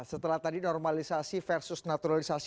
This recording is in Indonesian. setelah tadi normalisasi versus naturalisasi